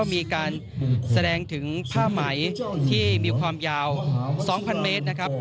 มีการแสดงถึงผ้าไหมที่มีความยาว๒๐๐เมตรนะครับ